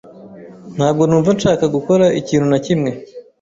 Ntabwo numva nshaka gukora ikintu na kimwe.